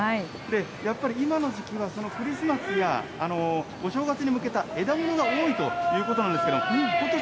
やっぱり今の時期はクリスマスやお正月に向けた枝ものが多いということなんですけれども、ことし